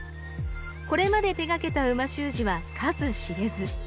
これまで手がけた美味しゅう字は数知れず。